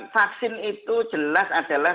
vaksin itu jelas adalah